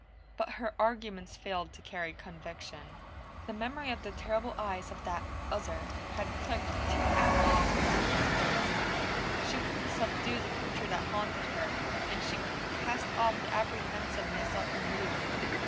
But her arguments failed to carry conviction. The memory of the terrible eyes of that other had clicked too aptly to Magda's phrase. She couldn't subdue the picture that haunted her, and she couldn't cast off the apprehensiveness of her mood.